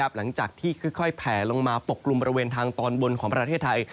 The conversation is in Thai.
หลังจากที่ค่อยแผลลงมาปกกลุ่มบริเวณทางตอนบนของประเทศไทย